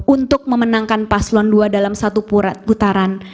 untuk memenangkan paslon dua dalam satu putaran